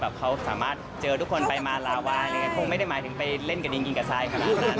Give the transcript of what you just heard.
เขาสามารถเจอทุกคนไปมาลาวายังไงคงไม่ได้หมายถึงไปเล่นกับดินยิงกระทรายขนาดนั้น